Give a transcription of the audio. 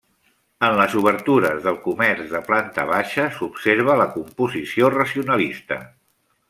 En les obertures del comerç de planta baixa s'observa la composició racionalista.